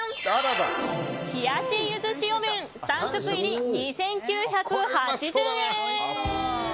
冷やし柚子塩麺３食入り２９８０円。